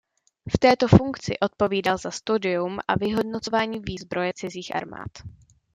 V této funkci odpovídal za studium a vyhodnocování výzbroje cizích armád.